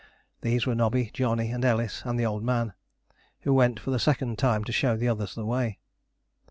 These were Nobby, Johnny, and Ellis, and the Old Man, who went for the second time to show the others the way.